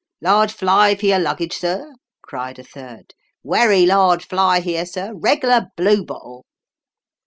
" Large fly for your luggage, sir !" cried a third. " Werry large fly here, sir reg'lar bluebottle